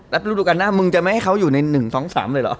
แล้วฤดูการหน้ามึงจะไม่ให้เขาอยู่ใน๑๒๓เลยเหรอ